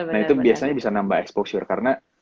nah itu biasanya bisa nambah exposure karena